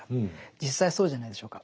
実際そうじゃないでしょうか。